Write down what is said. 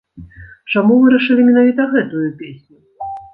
Чаму вырашылі менавіта гэтую песню?